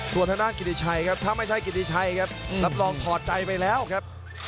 ส่วนทางด้านกิติชัยครับถ้าไม่ใช่กิติชัยครับรับรองถอดใจไปแล้วครับ